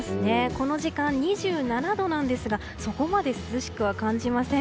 この時間２７度なんですがそこまで涼しくは感じません。